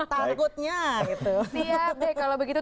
targotnya gitu iya deh kalau begitu